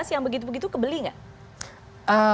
dua ribu sembilan belas yang begitu begitu kebeli nggak